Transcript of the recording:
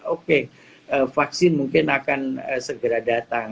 oke vaksin mungkin akan segera datang